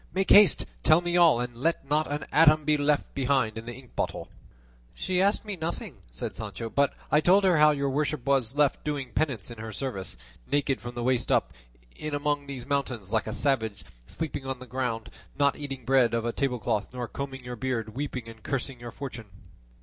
Make haste; tell me all, and let not an atom be left behind in the ink bottle." "She asked me nothing," said Sancho; "but I told her how your worship was left doing penance in her service, naked from the waist up, in among these mountains like a savage, sleeping on the ground, not eating bread off a tablecloth nor combing your beard, weeping and cursing your fortune."